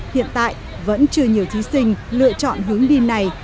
hiện tại vẫn chưa nhiều thí sinh lựa chọn hướng đi này